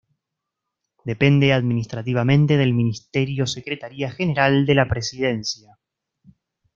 Depende Administrativamente del Ministerio Secretaría General de la Presidencia.